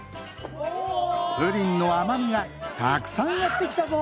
プリンのあまみがたくさんやってきたぞ！